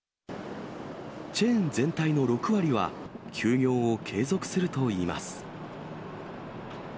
チェーン全体の６割は、休業を継続するといいます。